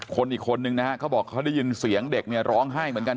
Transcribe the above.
อีกคนนึงนะฮะเขาบอกเขาได้ยินเสียงเด็กเนี่ยร้องไห้เหมือนกัน